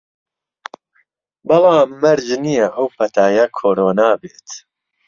بەڵام مەرج نییە ئەو پەتایە کۆرۆنا بێت